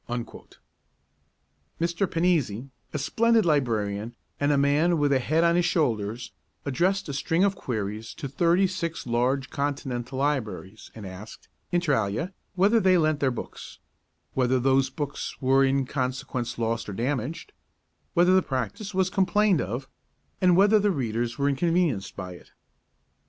Mr. Panizzi a splendid librarian and a man with a head on his shoulders addressed a string of queries to thirty six large continental libraries, and asked, inter alia, whether they lent their books, whether those books were in consequence lost or damaged, whether the practice was complained of, and whether readers were inconvenienced by it.